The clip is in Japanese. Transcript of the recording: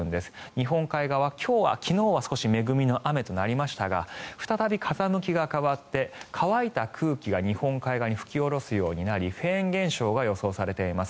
日本海側、昨日は少し恵みの雨となりましたが再び風向きが変わって乾いた空気が日本海側に吹き下ろすようになりフェーン現象が予想されています。